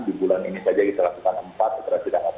di bulan ini saja kita lakukan empat operasi tangkap tangan